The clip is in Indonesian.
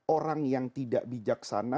orang yang tidak bijaksana